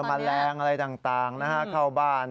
แมลงอะไรต่างเข้าบ้าน